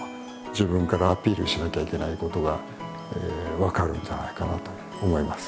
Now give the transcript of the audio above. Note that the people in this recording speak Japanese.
自分からアピールしなきゃいけないことが分かるんじゃないかなと思います。